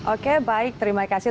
oke baik terima kasih